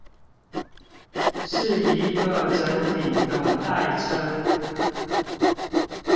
是一個整體的代稱